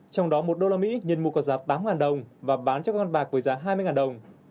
trong đó một đô la mỹ nhân mua có giá tám đồng và bán cho các con bạc với giá hai mươi đồng